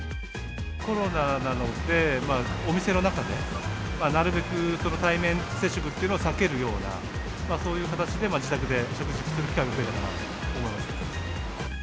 コロナなので、お店の中でなるべく対面接触というのを避けるような、そういう形で自宅で食事する機会も増えたかなと思います。